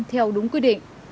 theo đúng quy định